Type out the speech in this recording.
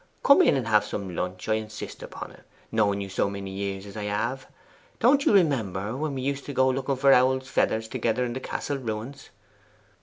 Come in and have some lunch! I insist upon it; knowing you so many years as I have! Don't you remember when we used to go looking for owls' feathers together in the Castle ruins?"